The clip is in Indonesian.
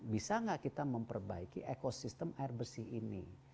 bisa nggak kita memperbaiki ekosistem air bersih ini